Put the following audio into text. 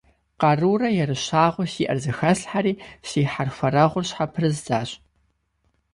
Къарурэ ерыщагъыу сиӏэр зэхэслъхьэри, си хьэрхуэрэгъур щхьэпрыздзащ.